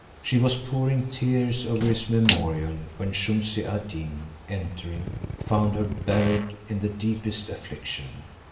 She was pouring tears over his memorial when Shumse ad Deen entering, found her buried in the deepest affliction.